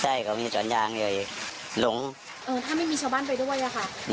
ใช่ก็มีสอนยางเลยหลงเออถ้าไม่มีชาวบ้านไปด้วยอะค่ะ